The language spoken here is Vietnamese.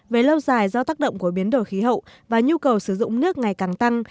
về lâu dài do tác động của biến đổi khí hậu và nhu cầu sử dụng nước ngày càng tăng